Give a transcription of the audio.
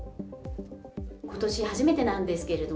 ことし初めてなんですけれど